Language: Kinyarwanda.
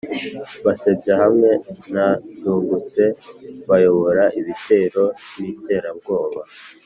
Basebya hamwe na Ndungutse bayobora Ibitero n iterabwoba